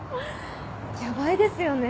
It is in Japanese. ヤバいですよね。